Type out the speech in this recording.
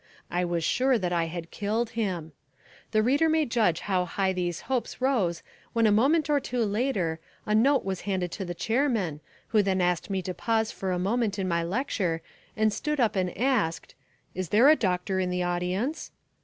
I was sure that I had killed him. The reader may judge how high these hopes rose when a moment or two later a note was handed to the chairman who then asked me to pause for a moment in my lecture and stood up and asked, "Is there a doctor in the audience?"